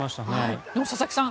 でも佐々木さん